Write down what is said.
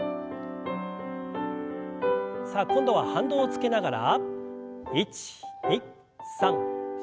さあ今度は反動をつけながら。